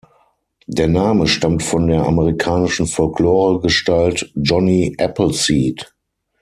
Der Name stammt von der amerikanischen Folklore-Gestalt Johnny Appleseed.